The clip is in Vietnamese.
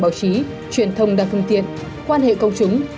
báo chí truyền thông đa phương tiện quan hệ công chúng